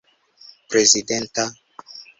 prezidenta